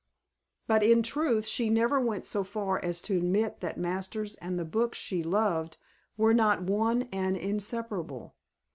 But in truth she never went so far as to admit that Masters and the books she loved were not one and inseparable.